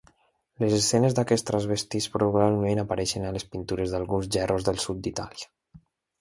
Les escenes d'aquests transvestits probablement apareixen a les pintures d'alguns gerros del sud d'Itàlia.